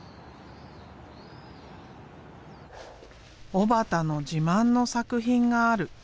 小幡の自慢の作品がある。